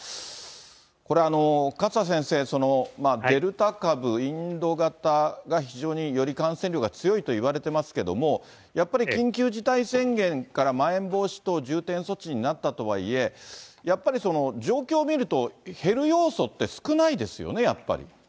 これ、勝田先生、デルタ株インド型が非常に、より感染力が強いといわれてますけれども、やっぱり緊急事態宣言からまん延防止等重点措置になったとはいえ、やっぱり状況を見ると、減る要素って少ないですよね、やっぱり。